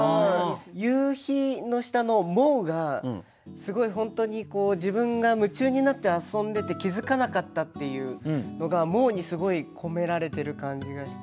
「夕日」の下の「もう」がすごい本当に自分が夢中になって遊んでて気付かなかったっていうのが「もう」にすごい込められてる感じがして。